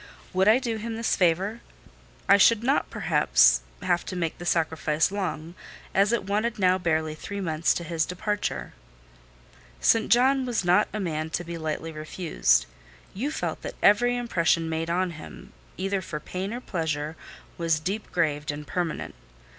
Would I do him this favour? I should not, perhaps, have to make the sacrifice long, as it wanted now barely three months to his departure. St. John was not a man to be lightly refused: you felt that every impression made on him, either for pain or pleasure, was deep graved and permanent.